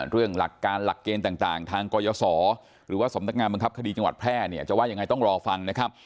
เรื่องหลักการหลักเกณฑ์ต่างทางกรยศหรือว่าสำนักงานบังคับคดีจังหวัดแพร่เนี่ยจะว่ายังไงต้องรอฟังนะครับ